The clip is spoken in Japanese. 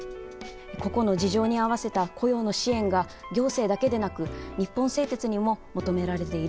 個々の事情に合わせた雇用の支援が行政だけでなく日本製鉄にも求められていると思います。